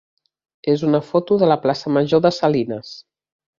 és una foto de la plaça major de Salines.